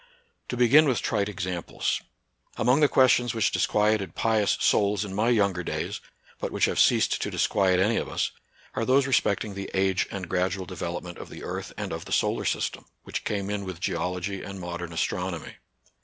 To begin with trite examples. Among the questions which disquieted pious souls in my younger days, but which have ceased to disquiet any of us, are those respecting the age and gradual development of the earth and of the solar system, which came in with geology and modern astronomy.